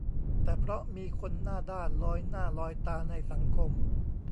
แต่เพราะมีคนหน้าด้านลอยหน้าลอยตาในสังคม